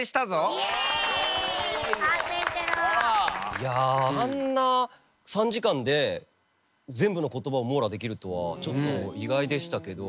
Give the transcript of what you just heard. いやあんな３時間で全部の言葉を網羅できるとはちょっと意外でしたけど。